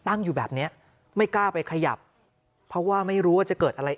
ตั้งอยู่แบบเนี้ยไม่กล้าไปขยับเพราะว่าไม่รู้ว่าจะเกิดอะไร